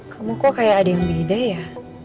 kamu kok kayak ada yang beda ya